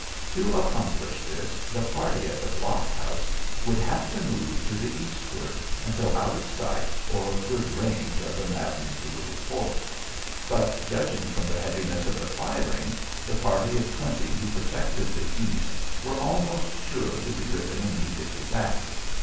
To accomplish this, the party at the blockhouse would have to move to the eastward, until out of sight or good range of the maddened little fort. But judging from the heaviness of the firing, the party of twenty who protected the east were almost sure to be driven immediately back.